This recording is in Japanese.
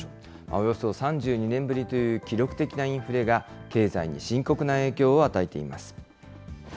およそ３２年ぶりという記録的なインフレが経済に深刻な影響を与えています。